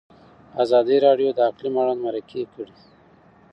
ازادي راډیو د اقلیم اړوند مرکې کړي.